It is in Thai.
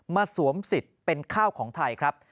สวมสิทธิ์เป็นข้าวของไทยครับ